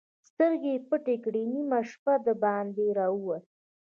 سترګې يې پټې کړې، نيمه شپه د باندې را ووت.